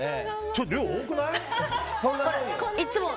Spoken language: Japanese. ちょっと量多くない？